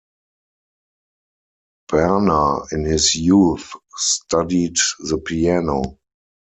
Berner, in his youth, studied the piano.